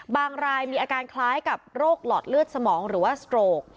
บางรายมีอาการคล้ายกับโรคหลอดเลือดสมองหรือว่าสโตรก